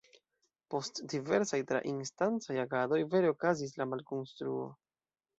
Post diversaj tra-instancaj agadoj vere okazis la malkonstruo.